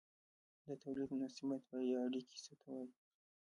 د توليد مناسبات یا اړیکې څه ته وايي؟